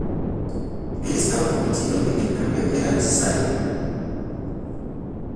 Él estaba convencido de que el cambio era necesario.